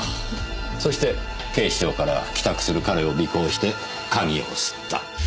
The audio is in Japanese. そして警視庁から帰宅する彼を尾行して鍵を掏った。